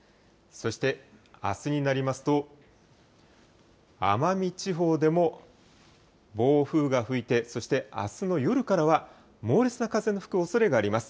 そしてあすになりますと、奄美地方でも暴風が吹いてそしてあすの夜からは、猛烈な風の吹くおそれもあります。